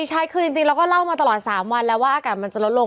ใช่คือจริงเราก็เล่ามาตลอด๓วันแล้วว่าอากาศมันจะลดลง